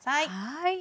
はい。